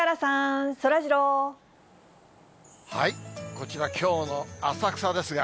こちら、きょうの浅草ですが。